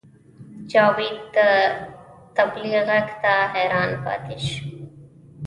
جاوید د طبلې غږ ته حیران پاتې شو